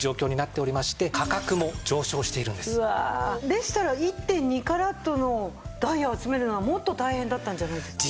でしたら１．２カラットのダイヤを集めるのはもっと大変だったんじゃないですか？